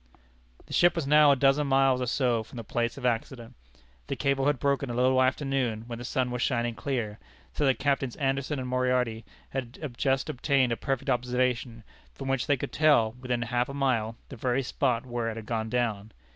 The ship was now a dozen miles or so from the place of accident. The cable had broken a little after noon, when the sun was shining clear, so that Captains Anderson and Moriarty had just obtained a perfect observation, from which they could tell, within half a mile, the very spot where it had gone down.